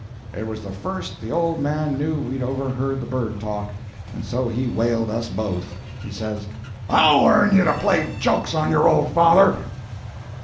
"It was the first the old man knew we'd overheard the bird talk, and so he whaled us both. He says, 'I'll learn you to play jokes on your old father!"